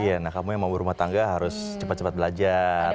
iya nah kamu yang mau berumah tangga harus cepat cepat belajar